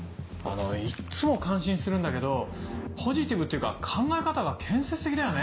いっつも感心するんだけどポジティブっていうか考え方が建設的だよね。